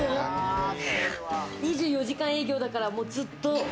２４時間営業だからずっと。